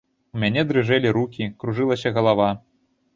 У мяне дрыжэлі рукі, кружылася галава.